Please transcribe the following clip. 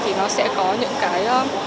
thì nó sẽ có những cái